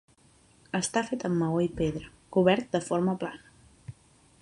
Està fet amb maó i pedra, cobert de forma plana.